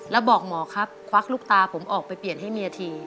แล้วบอกหมอครับควักลูกตาผมออกไปเปลี่ยนให้เมียที